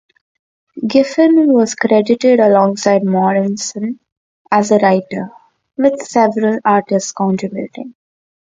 Giffen was credited alongside Morrison as the writer, with several artists contributing.